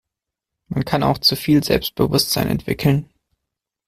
Man kann auch zu viel Selbstbewusstsein entwickeln.